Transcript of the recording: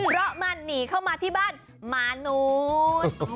เพราะมันหนีเข้ามาที่บ้านหมานุษย์